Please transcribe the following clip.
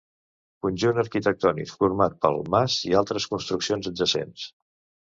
Conjunt arquitectònic format pel mas i altres construccions adjacents.